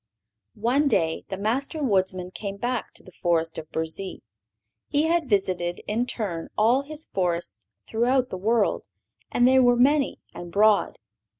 One day the Master Woodsman came back to the forest of Burzee. He had visited, in turn, all his forests throughout the world, and they were many and broad.